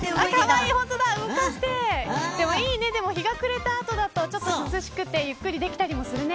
いいねで、も日が暮れた後だとちょっと涼しくてゆっくりできたりもするね。